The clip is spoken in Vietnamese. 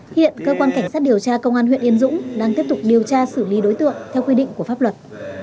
hiện cơ quan cảnh sát điều tra công an huyện yên dũng đang tiếp tục điều tra xử lý đối tượng theo quy định của pháp luật